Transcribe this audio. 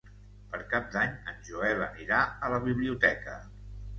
Per Cap d'Any en Joel anirà a la biblioteca.